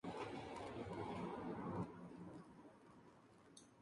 El inferior es adintelado flanqueado por pilastras dóricas estriadas.